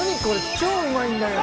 超うまいんだけど！